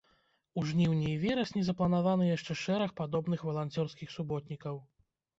У жніўні і верасні запланаваны яшчэ шэраг падобных валанцёрскіх суботнікаў.